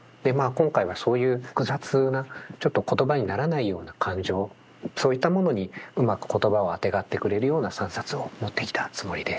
今回はそういう複雑なちょっと言葉にならないような感情そういったものにうまく言葉をあてがってくれるような３冊を持ってきたつもりです。